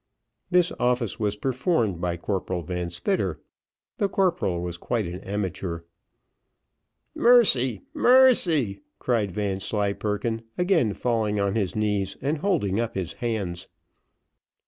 This office was performed by Corporal Van Spitter. The corporal was quite an amateur. "Mercy, mercy," cried Vanslyperken, again falling on his knees, and holding up his hands.